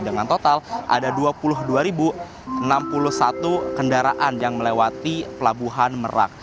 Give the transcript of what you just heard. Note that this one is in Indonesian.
dengan total ada dua puluh dua enam puluh satu kendaraan yang melewati pelabuhan merak